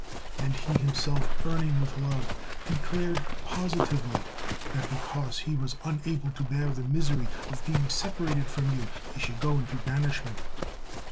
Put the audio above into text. And he himself, burning with love, declared positively that because he was unable to bear the misery of being separated from you, he should go into banishment.